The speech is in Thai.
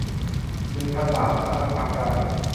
หนึ่งพัน บาท สามารถพักได้